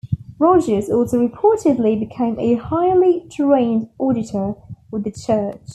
Rogers also reportedly became a highly trained auditor with the church.